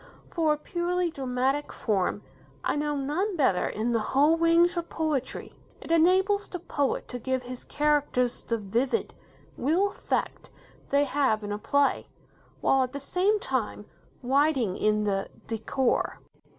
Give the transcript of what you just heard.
For a purely dramatic form, I know none better in the whole range of poetry. It enables the poet to give his characters the vivid, real effect they have in a play, while at the same time writing in the 'decor'.